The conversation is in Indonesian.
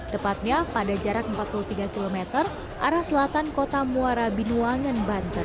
tepatnya pada jarak empat puluh tiga km arah selatan kota muara binuangan banten